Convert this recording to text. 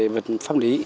về pháp lý